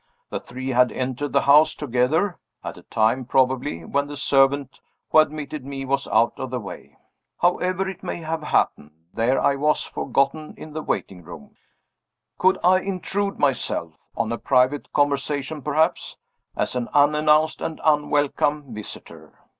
The three had entered the house together at a time, probably, when the servant who had admitted me was out of the way. However it may have happened, there I was, forgotten in the waiting room! Could I intrude myself (on a private conversation perhaps) as an unannounced and unwelcome visitor?